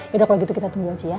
ya udah kaya gitu kita tunggu aja ya